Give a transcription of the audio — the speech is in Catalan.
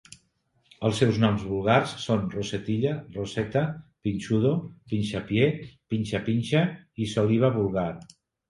Els seus noms vulgars són rosetilla, roseta, pinchudo, pinchapié, pincha-pincha i soliva vulgar.